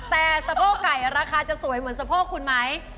แต่สะโพกไก่ราคาจะสวยเหมือนสะโพกคุณไหม